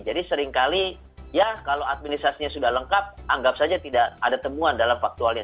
jadi seringkali ya kalau administrasinya sudah lengkap anggap saja tidak ada temuan dalam faktualnya